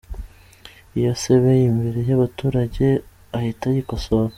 Iyo asebeye imbere y’abaturage ahita yikosora.